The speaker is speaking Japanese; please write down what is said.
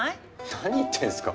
何言ってんすか？